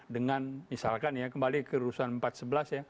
dengan misalkan ya kembali ke urusan empat sebelas ya